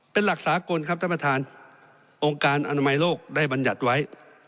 เป็นหลักสากลครับท่านประธานองค์การอนามัยโลกได้บรรยัติไว้